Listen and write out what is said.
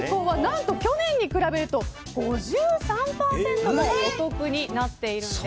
レンコンは去年に比べると５３％もお得になっているんです。